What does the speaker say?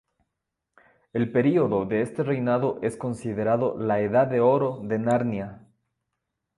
El período de este reinado es considerado la "Edad de Oro de Narnia".